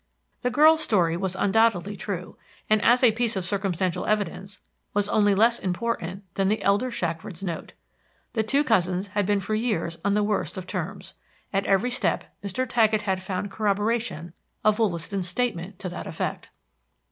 The girl's story was undoubtedly true, and as a piece of circumstantial evidence was only less important than the elder Shackford's note. The two cousins had been for years on the worst of terms. At every step Mr. Taggett had found corroboration of Wollaston's statement to that effect.